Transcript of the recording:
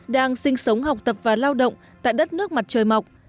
đang sinh sống học tập và lao động tại đất nước mặt trời mọc